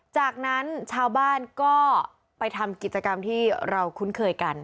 จากนั้นชาวบ้านก็ไปทำกิจกรรมที่เราคุ้นเคยกัน